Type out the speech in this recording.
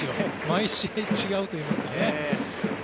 毎試合違うといいますか。